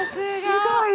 すごい！